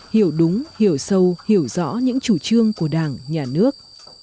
hiểu đúng hiểu sâu hiểu rõ những chủ trương của đảng nhà nước